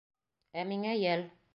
— Ә миңә йәл.